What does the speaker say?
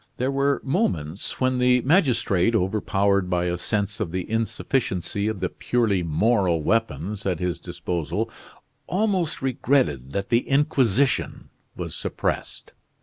There were moments when the magistrate, overpowered by a sense of the insufficiency of the purely moral weapons at his disposal, almost regretted that the Inquisition was suppressed.